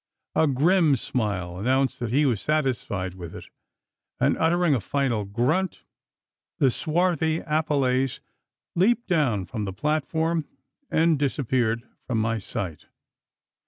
A grim smile announced that he was satisfied with it; and, uttering a final grunt, the swarthy Apelles leaped down from the platform, and disappeared from my sight.